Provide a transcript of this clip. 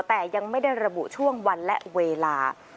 แต่ยังไม่ได้ระบุช่วงวันและเวลา